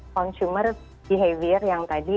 consumer behavior yang tadi